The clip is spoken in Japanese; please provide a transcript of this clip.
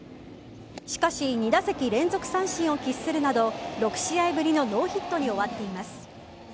しかし２打席連続三振を喫するなど６試合ぶりのノーヒットに終わっています。